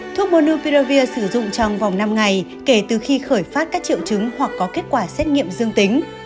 thuốc monopiravi sử dụng trong vòng năm ngày kể từ khi khởi phát các triệu chứng hoặc có kết quả xét nghiệm dương tính